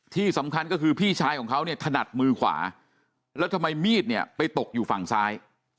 ที่สำคัญก็คือพี่ชายของเขาเนี่ยถนัดมือขวาแล้วทำไมมีดเนี่ยไปตกอยู่ฝั่งซ้าย